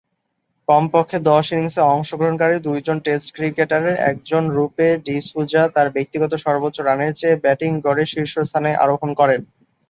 কমপক্ষে দশ ইনিংসে অংশগ্রহণকারী দুইজন টেস্ট ক্রিকেটারের একজনরূপে ডি’সুজা তার ব্যক্তিগত সর্বোচ্চ রানের চেয়ে ব্যাটিং গড়ে শীর্ষস্থানে আরোহণ করেন।